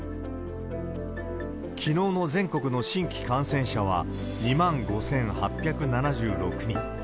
きのうの全国の新規感染者は２万５８７６人。